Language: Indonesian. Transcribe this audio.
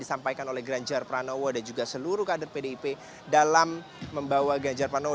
disampaikan oleh ganjar pranowo dan juga seluruh kader pdip dalam membawa ganjar pranowo